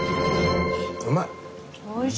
うまい。